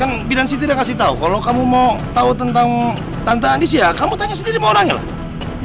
kan bidansi tidak kasih tau kalau kamu mau tau tentang tante andis ya kamu tanya sendiri sama orangnya lah